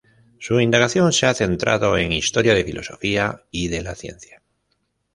Su indagación se ha centrado en historia de filosofía y de la ciencia.